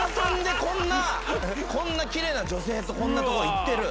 こんな奇麗な女性とこんなとこ行ってる。